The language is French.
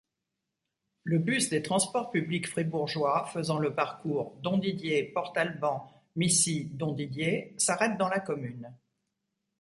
Le bus des Transports publics fribourgeois faisant le parcours Domdidier-Portalban-Missy-Domdidier s'arrête dans la commune.